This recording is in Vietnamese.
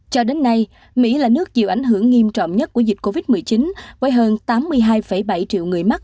cho đến nay mỹ là nước chịu ảnh hưởng nghiêm trọng nhất của dịch covid một mươi chín với hơn tám mươi hai bảy triệu người mắc